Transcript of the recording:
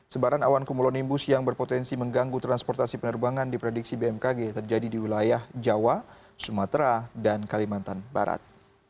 sebaran awan kumulonimbus yang berpotensi mengganggu transportasi penerbangan diprediksi bmkg terjadi di wilayah jawa sumatera dan kalimantan barat